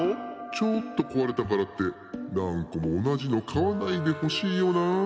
「ちょっとこわれたからってなんこもおなじのかわないでほしいよなあ。